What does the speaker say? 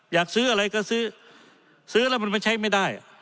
อยากซื้ออะไรก็ซื้อซื้อแล้วมันไปใช้ไม่ได้